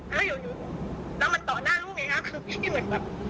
แล้วมันต่อหน้าลูกไงครับ